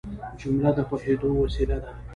جمله د پوهېدو وسیله ده.